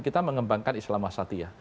kita mengembangkan islam wasatiyah